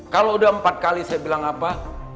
kalau udah empat kali saya bilang apa